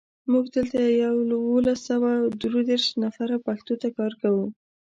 موږ دلته یولس سوه درودېرش نفره پښتو ته کار کوو.